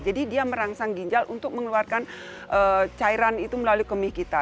jadi dia merangsang ginjal untuk mengeluarkan cairan itu melalui kemih kita